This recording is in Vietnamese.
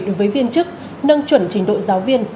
đối với viên chức nâng chuẩn trình độ giáo viên